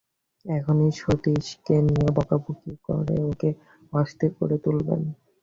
এখনই সতীশকে নিয়ে বকাবকি করে ওকে অস্থির করে তুলবেন।